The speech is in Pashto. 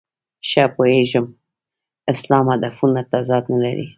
ښه پوهېږو اسلام هدفونو تضاد نه لري.